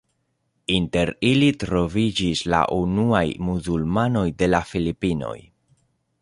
Inter ili troviĝis la unuaj muzulmanoj de la Filipinoj.